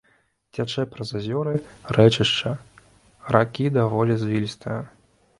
Цячэ праз азёры, рэчышча ракі даволі звілістае.